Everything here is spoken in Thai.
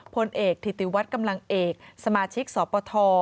พลเอกธิติวัฒน์กำลังเอกสมาชิกสปท